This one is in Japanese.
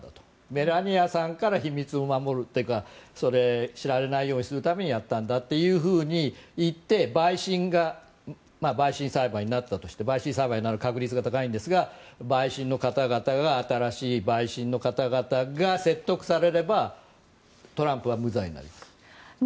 メラニアさんから秘密を守るというかそれを知られないようにするためにやったんだというふうに言って陪審裁判になったとして陪審裁判になる可能性が高いんですが新しい陪審の方々が説得されればトランプは無罪になります。